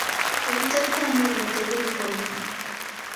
Obutakkaanya buno tebulikoma.